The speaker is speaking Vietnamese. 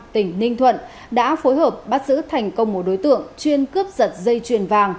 tỉnh ninh thuận đã phối hợp bắt giữ thành công một đối tượng chuyên cướp giật dây chuyền vàng